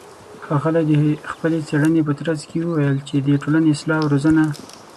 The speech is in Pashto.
ښاغلى د خپلې څېړنې په ترڅ کې وويل چې د ټولنې اصلاح او روزنه